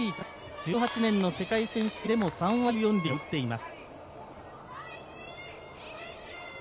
１８年の世界選手権でも３割４分４厘を打っています。